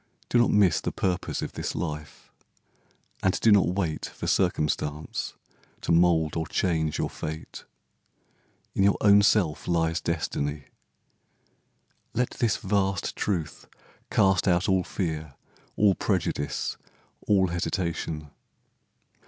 Do not miss The purpose of this life, and do not wait For circumstance to mould or change your fate; In your own self lies Destiny. Let this Vast truth cast out all fear, all prejudice, All hesitation.